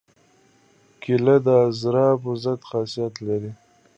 کېله د اضطراب ضد خاصیت لري.